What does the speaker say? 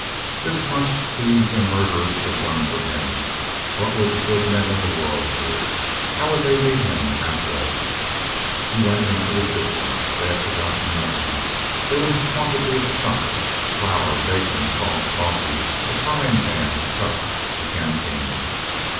This much thieves and murderers had done for him; what would the good men of the world do? How would they meet him halfway? He went into the kitchen. They had forgotten nothing. There was a quantity of "chuck," flour, bacon, salt, coffee, a frying pan, a cup, a canteen.